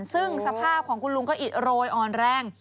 ซึ่งสภาพของคุณลุงก็อิดโรยอ่อนแรง